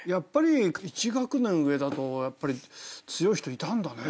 １学年上だとやっぱり強い人いたんだね。